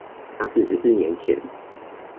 那是十四年前